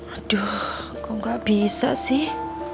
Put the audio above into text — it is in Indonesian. aduh kok gak bisa sih